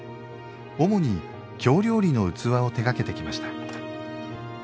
主に京料理の器を手がけてきました。